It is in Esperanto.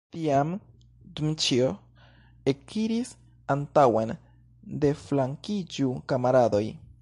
Tiam Dmiĉjo ekiris antaŭen: "deflankiĝu, kamaradoj!"